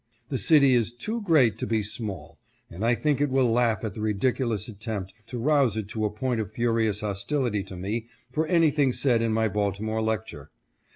The city is too great to be small, and I think it will laugh at the ridiculous attempt to rouse it to a point of furious hostility to me for anything said in my Baltimore lecture.